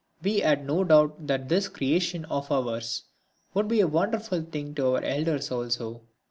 We had no doubt that this creation of ours would be a wonderful thing to our elders also.